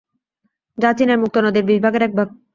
যা চীনের মুক্তো নদীর বিশ ভাগের এক ভাগ।